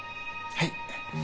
はい。